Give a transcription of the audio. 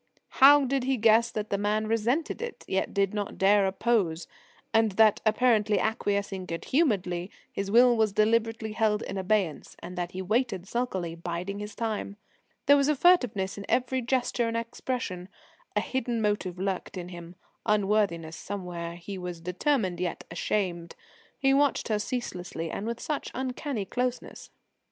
How did he guess that the man resented it, yet did not dare oppose, and that, apparently acquiescing good humouredly, his will was deliberately held in abeyance, and that he waited sulkily, biding his time? There was furtiveness in every gesture and expression. A hidden motive lurked in him; unworthiness somewhere; he was determined yet ashamed. He watched her ceaselessly and with such uncanny closeness.